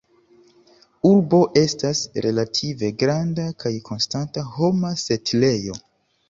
Urbo estas relative granda kaj konstanta homa setlejo.